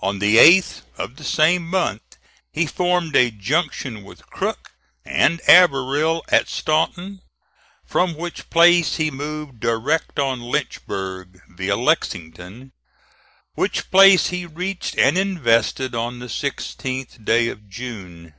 On the 8th of the same month he formed a junction with Crook and Averell at Staunton, from which place he moved direct on Lynchburg, via Lexington, which place he reached and invested on the 16th day of June.